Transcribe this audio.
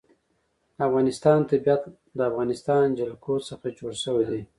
د افغانستان طبیعت له د افغانستان جلکو څخه جوړ شوی دی.